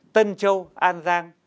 tân châu an giang